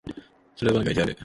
それどこに書いてある？